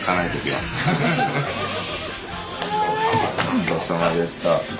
ごちそうさまでした。